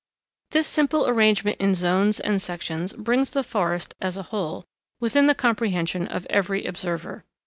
This simple arrangement in zones and sections brings the forest, as a whole, within the comprehension of every observer.